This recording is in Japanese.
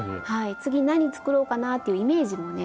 次何作ろうかなっていうイメージもね